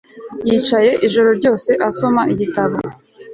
Yicaye ijoro ryose asoma igitabo